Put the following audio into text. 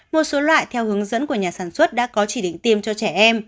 một số loại theo hướng dẫn của nhà sản xuất đã có chỉ định tiêm cho trẻ em